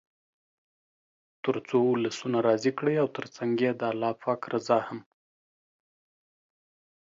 تر څو ولسونه راضي کړئ او تر څنګ یې د پاک الله رضا هم.